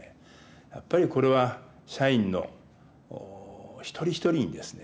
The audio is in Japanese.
やっぱりこれは社員の一人一人にですね